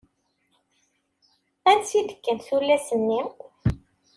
Ansa i d-kkant tullas-nni?